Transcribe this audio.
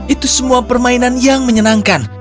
itu semua permainan yang menyenangkan